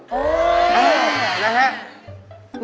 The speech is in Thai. นะฮะ